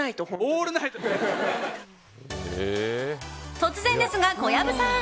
突然ですが、小籔さん